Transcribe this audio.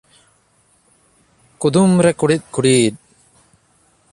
ᱠᱩᱫᱩᱢ ᱨᱮ ᱠᱩᱲᱤᱫ ᱠᱩᱲᱤᱫ ᱾